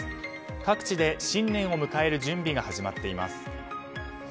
各地で新年を迎える準備が始まっています。